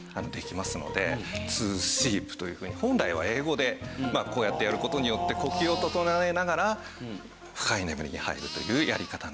本来は英語でこうやってやる事によって呼吸を整えながら深い眠りに入るというやり方なのです。